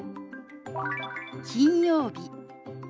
「金曜日」。